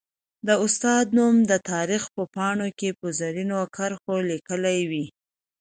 د استاد نوم به د تاریخ په پاڼو کي په زرینو کرښو ليکلی وي.